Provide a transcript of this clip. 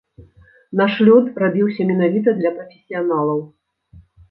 Наш лёд рабіўся менавіта для прафесіяналаў.